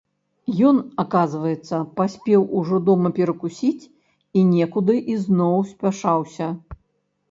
Ён, аказваецца, паспеў ужо дома перакусіць і некуды ізноў спяшаўся.